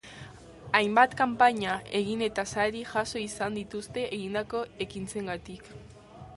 Hainbat kanpaina egin eta sari jaso izan dituzte egindako ekintzengatik.